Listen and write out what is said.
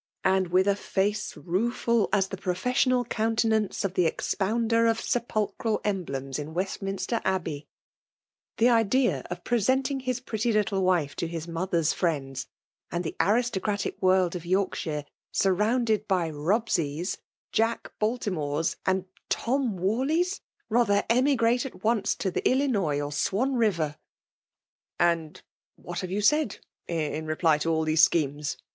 — and with a face ruefel as the professional countenance of the expawBkdnt of sepulchral emblems in West^ liiittster Abbey ! The idea of presenting his pretty little wife to his mother's Mends and Hie ttristbcrafic world of Yorkshire, surrounded by Bobseys, — Jack Baltimores, — and Tom Warteys i ^Bather emigrate at once to the Illinois; or Swan River j ''And what have, you said in reply to all thete* schemes